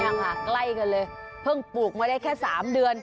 นี่ค่ะใกล้กันเลยเพิ่งปลูกมาได้แค่๓เดือน